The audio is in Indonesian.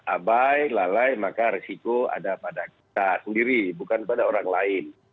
abai lalai maka resiko ada pada kita sendiri bukan pada orang lain